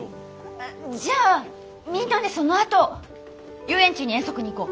あじゃあみんなでそのあと遊園地に遠足に行こう。